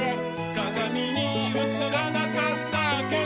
「かがみにうつらなかったけど」